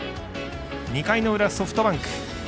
２回の裏、ソフトバンク。